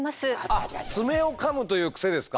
あっ爪をかむというクセですか。